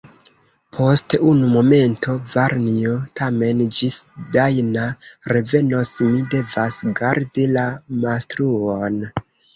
Post unu momento, varnjo; tamen ĝis Dajna revenos, mi devas gardi la mustruon.